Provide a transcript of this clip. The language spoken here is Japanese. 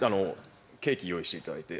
ケーキ用意していただいて。